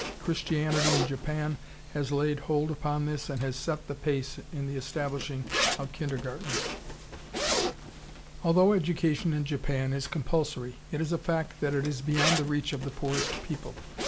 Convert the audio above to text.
Christianity in Japan has laid hold upon this and has set the pace in the establishing of kindergartens.... Although education in Japan is compulsory, it is a fact that it is beyond the reach of the poorest people.